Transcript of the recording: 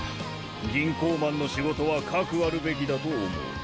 銀行マンのしごとはかくあるべきだとおもう。